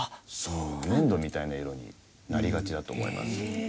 粘土みたいな色になりがちだと思います。